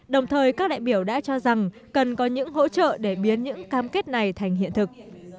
đồng thời các đại biểu đã cho rằng cần có những hỗ trợ để biến những cam kết này thành hiện thực